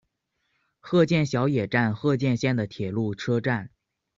鹤见小野站鹤见线的铁路车站。